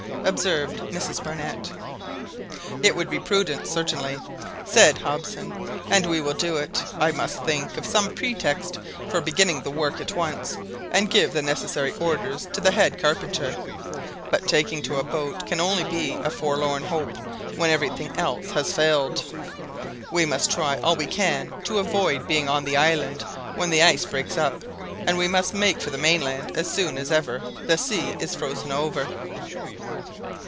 observed Mrs Barnett. "It would be prudent certainly," said Hobson, "and we will do it. I must think of some pretext for beginning the work at once, and give the necessary orders to the head carpenter. But taking to a boat can only be a forlorn hope when everything else has failed. We must try all we can to avoid being on the island when the ice breaks up, and we must make for the mainland as soon as ever the sea is frozen over."